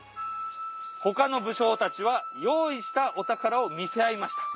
他の武将たちは用意したお宝を見せ合いました。